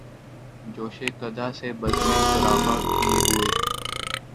جوشِ قدح سے بزمِ چراغاں کئے ہوئے